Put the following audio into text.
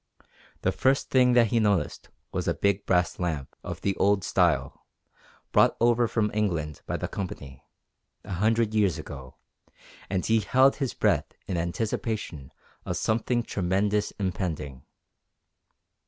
The first thing that he noticed was a big brass lamp, of the old style, brought over from England by the Company a hundred years ago, and he held his breath in anticipation of something tremendous impending.